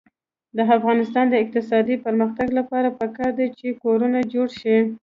د افغانستان د اقتصادي پرمختګ لپاره پکار ده چې کورونه جوړ شي.